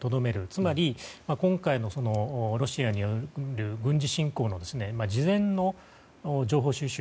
つまり今回のロシアによる軍事侵攻の事前の情報収集